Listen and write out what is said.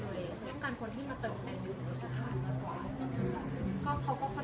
แทนการคนที่เติบเป็นเป็นสถานการณ์อีกเว่าแล้วคืออะไร